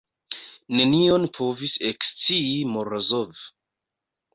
Nenion povis ekscii Morozov.